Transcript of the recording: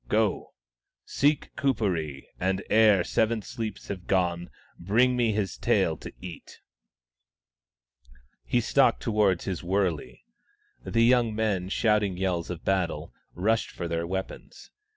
Go ; seek Kuperee, and ere seven sleeps have gone, bring me his tail to eat !" He stalked towards his wurley. The young men, shouting yells of battle, rushed for their weapons.